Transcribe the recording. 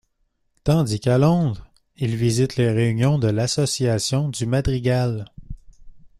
Tandis qu'à Londres, il visite les réunions de l'association du madrigal.